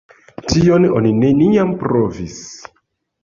Tion oni neniam provis.